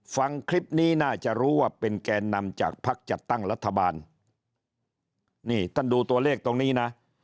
ฟังคลิปนี้น่าจะรู้ว่าเป็นแกนนำจากพักจัดตั้งรัฐบาลนี่ท่านดูตัวเลขตรงนี้นะ